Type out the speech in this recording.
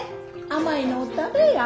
甘いのお食べや。